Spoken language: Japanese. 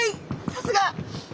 さすが！